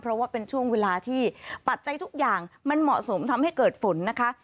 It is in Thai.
เพราะว่าเป็นช่วงเวลาที่ปัจจัยทุกอย่างมันเหมาะสมทำให้เกิดฝนนะคะ